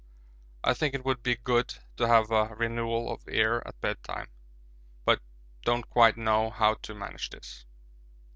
I think it would be good to have a renewal of air at bed time, but don't quite know how to manage this.